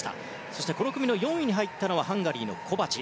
そしてこの組の４位に入ったのがハンガリーのコバチ。